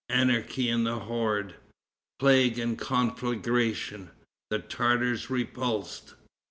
Anarchy in the Horde. Plague and Conflagration. The Tartars Repulsed.